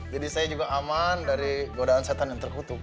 jadi saya juga aman dari godaan setan yang terkutuk gitu